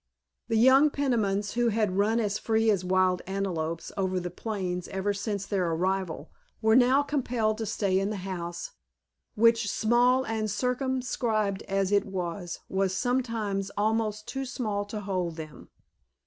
The young Penimans, who had run as free as wild antelopes over the plains ever since their arrival, were now compelled to stay in the house, which, small and circumscribed as it was, was sometimes almost too small to hold them.